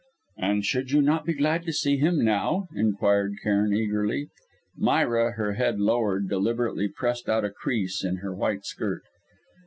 "And should you not be glad to see him now?" inquired Cairn eagerly. Myra, her head lowered, deliberately pressed out a crease in her white skirt.